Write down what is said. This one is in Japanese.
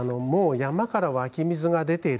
山から湧き水が出ている。